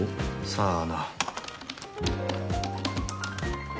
さあな。